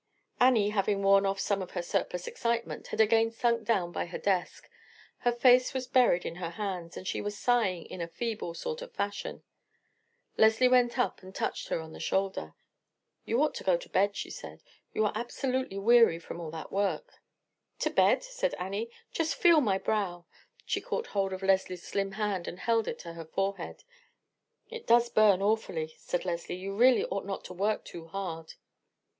Annie, having worn off some of her surplus excitement, had again sunk down by her desk; her face was buried in her hands, and she was sighing in a feeble sort of fashion. Leslie went up and touched her on her shoulder. "You ought to go to bed," she said; "you are absolutely weary from all that work." "To bed?" said Annie. "Just feel my brow." She caught hold of Leslie's slim hand and held it to her forehead. "It does burn awfully," said Leslie. "You really ought not to work too hard."